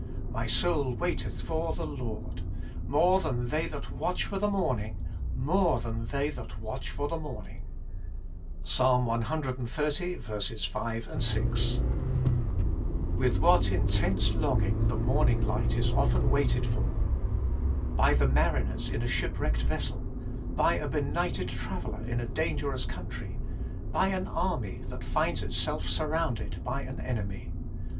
My soul waiteth for the Lord More than they that watch for the morning t More than they that watch for the morning. — ^Ps, cxxz. 5, «. IITITH what intense longing the morning ^^ light is often waited for. By the mariners in a shipwrecked vessel; by a be nighted traveller in a dangerous country; by an army that finds itself surrounded by an enemy.